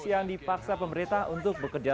yang dipaksa pemerintah untuk bekerja